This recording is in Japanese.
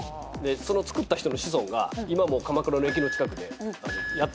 その作った人の子孫が今も鎌倉の駅の近くでやってんの刀。